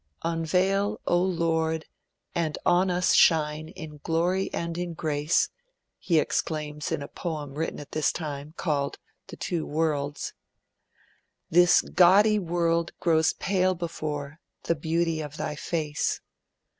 'Unveil, O Lord, and on us shine, In glory and in grace,' he exclaims in a poem written at this time, called 'The Two Worlds': 'This gaudy world grows pale before The beauty of Thy face.